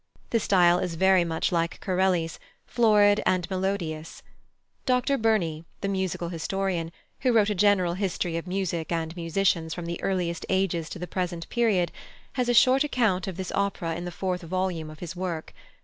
The style is very much like Corelli's, florid and melodious. Dr Burney, the musical historian, who wrote a General History of Music and Musicians from the Earliest Ages to the Present Period, has a short account of this opera in the fourth volume of his work.